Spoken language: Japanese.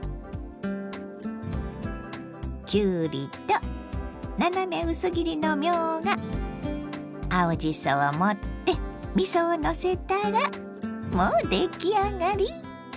きゅうりと斜め薄切りのみょうが青じそを盛ってみそをのせたらもう出来上がり！